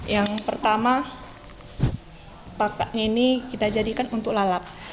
yang pertama pakaknya ini kita jadikan untuk lalap